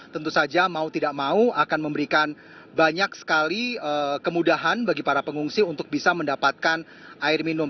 tentu saja mau tidak mau akan memberikan banyak sekali kemudahan bagi para pengungsi untuk bisa mendapatkan air minum